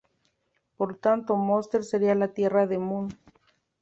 Por tanto, Munster sería la "tierra de Mun".